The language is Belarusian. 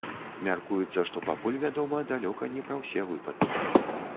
Мяркуецца, што пакуль вядома далёка не пра ўсе выпадкі.